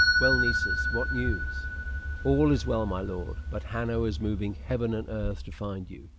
"Well, Nessus, what news?" "All is well, my lord; but Hanno is moving heaven and earth to find you.